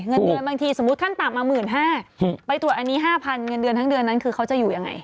เงินเดือนบางทีสมมุติขั้นต่ำมา๑๕๐๐ไปตรวจอันนี้๕๐๐เงินเดือนทั้งเดือนนั้นคือเขาจะอยู่ยังไง